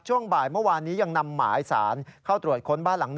ช่วงบ่ายเมื่อวานนี้ยังนำหมายสารเข้าตรวจค้นบ้านหลัง๑